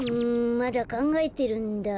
まだかんがえてるんだ。